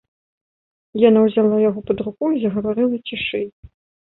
Яна ўзяла яго пад руку і загаварыла цішэй.